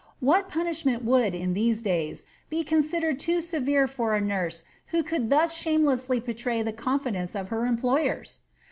What punishment would, in these days, be considered too severe for a nurse who could thus shamelessly betray the confidence of her employers